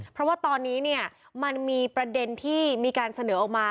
เพราะว่าตอนนี้เนี่ยมันมีประเด็นที่มีการเสนอออกมา